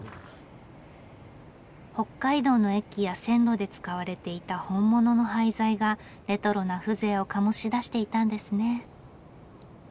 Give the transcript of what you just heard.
北海道の駅や線路で使われていた本物の廃材がレトロな風情を醸し出していたんですね。